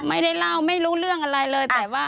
ไม่ได้เล่าไม่รู้เรื่องอะไรเลยแต่ว่า